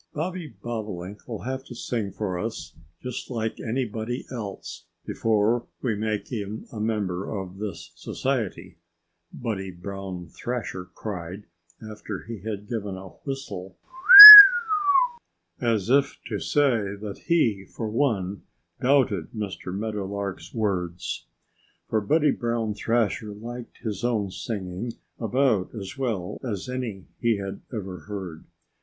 "Bobby Bobolink will have to sing for us, just like anybody else, before we make him a member of this Society," Buddy Brown Thrasher cried, after he had given a whistle, "Wheeu!" as if to say that he, for one, doubted Mr. Meadowlark's words. For Buddy Brown Thrasher liked his own singing about as well as any he had ever heard.